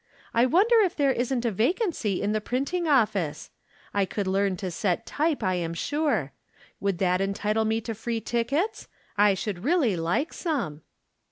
I wonder if there isn't a vacancy in the printing office ? I could learn to set type, I am sure. Would that entitle me to free tickets ? I should really like some."